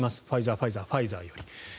ファイザー、ファイザーファイザーより。